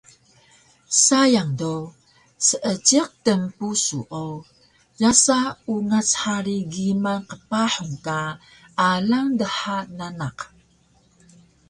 Sayang do seejiq tnpusu o yaasa ungac hari giman qpahun ka alang dha nanaq